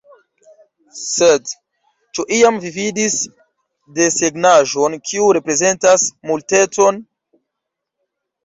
« Sed, ĉu iam vi vidis desegnaĵon kiu reprezentas Multecon?"